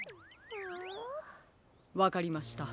わかりました。